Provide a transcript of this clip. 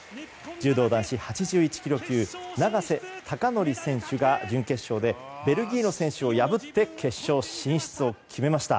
柔道男子８１ｋｇ級永瀬貴規選手が準決勝でベルギーの選手を破って決勝進出を決めました。